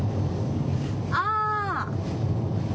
あぁ！